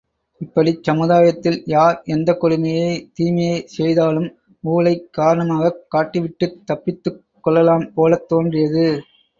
இப்படிச் சமுதாயத்தில் யார் எந்தக் கொடுமையை தீமையைச் செய்தாலும் ஊழைக் காரணமாகக் காட்டிவிட்டுத் தப்பித்துக் கொள்ளலாம் போலத் தோன்றியது.